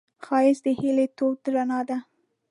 ښایست د هیلې تود رڼا ده